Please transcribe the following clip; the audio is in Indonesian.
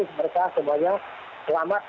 sebenarnya semuanya selamat